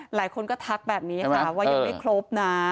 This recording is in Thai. หลายคนก็ทักแบบนี้ค่ะว่ายังไม่ครบนะ